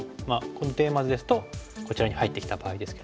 このテーマ図ですとこちらに入ってきた場合ですけども。